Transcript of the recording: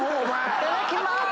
いただきまーす！